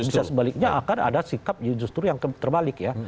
bisa sebaliknya akan ada sikap justru yang terbalik ya